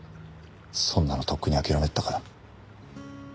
そんなのとっくに諦めてたから。